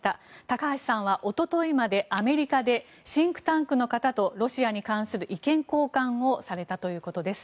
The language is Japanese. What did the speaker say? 高橋さんはおとといまでアメリカでシンクタンクの方とロシアに関する意見交換をされたということです。